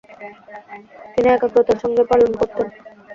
তিনি একাগ্রতার সঙ্গে পালন করতেন।